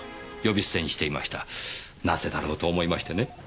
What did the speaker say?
なぜだろうと思いましてね。